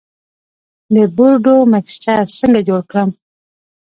د بورډو مکسچر څنګه جوړ کړم؟